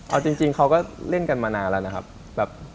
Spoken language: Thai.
เอาจริงเขาก็เล่นกันมานานแล้วนะครับ